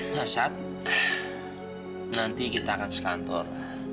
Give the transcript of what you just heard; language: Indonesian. nah saat nanti kita akan sekantor